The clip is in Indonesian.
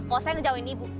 kalau saya ngejauhin ibu